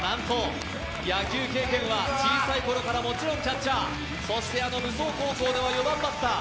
野球経験は小さいころからもちろんキャッチャー、そしてあの武相高校では４番バッター。